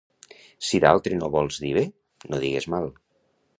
Si d'altre no vols dir bé, no digues mal.